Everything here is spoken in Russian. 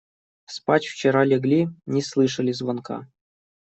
Спать вчера легли, не слышали звонка.